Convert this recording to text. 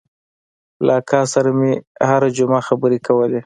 له اکا سره مې هره جمعه خبرې کولې.